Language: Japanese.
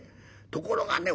ところがね